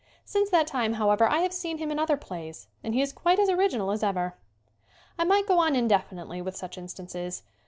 Since that time, however, I have seen him in other plays and he is quite as original as ever. I might go on indefinitely with such in stances.